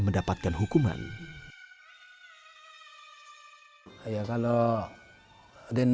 mereka tidak boleh berkata kata yang tidak berkata kata yang tidak berkata kata